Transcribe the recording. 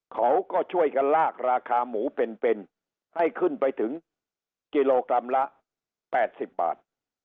เขาก็ช่วยกันลากราคาหมูเป็นให้ขึ้นไปถึงกิโลกรัมละ๘๐บาท